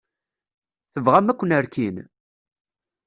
Tebɣam ad ken-rkin?